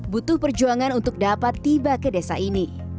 butuh perjuangan untuk dapat tiba ke desa ini